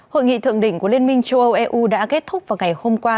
hội nghị thượng đỉnh của liên minh châu âu eu đã kết thúc vào ngày hôm qua